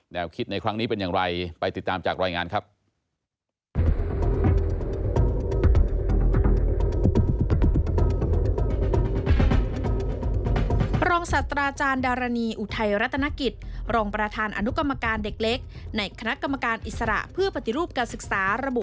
คิดในครั้งนี้เป็นอย่างไรไปติดตามจากรายงานครับ